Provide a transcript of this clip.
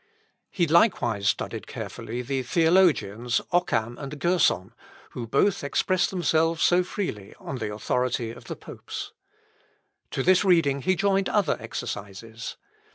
He likewise carefully studied the theologians, Occam and Gerson, who both express themselves so freely on the authority of the popes. To this reading he joined other exercises.